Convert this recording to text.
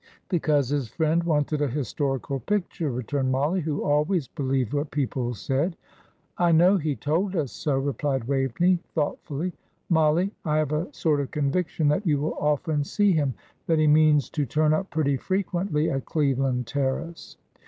"Because his friend wanted a historical picture," returned Mollie, who always believed what people said. "I know he told us so," replied Waveney, thoughtfully. "Mollie, I have a sort of conviction that you will often see him that he means to turn up pretty frequently at Cleveland Terrace."